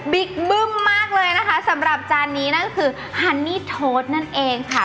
บึ้มมากเลยนะคะสำหรับจานนี้นั่นก็คือฮันนี่โทดนั่นเองค่ะ